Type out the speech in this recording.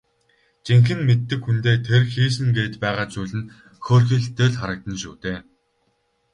Жинхэнэ мэддэг хүндээ тэр хийсэн гээд байгаа зүйл нь хөөрхийлөлтэй л харагдана шүү дээ.